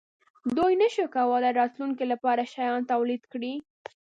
دوی نشوای کولای راتلونکې لپاره شیان تولید کړي.